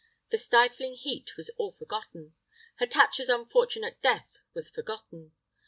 The stifling heat was all forgotten. Hatatcha's unfortunate death was forgotten.